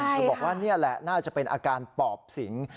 บอกว่านี่แหละน่าจะเป็นอาการปอบสิง